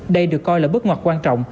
đây được coi là bước ngoặt quan trọng